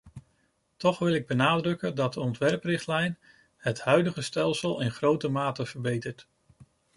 Toch wil ik benadrukken dat de ontwerprichtlijn het huidige stelsel in grote mate verbetert.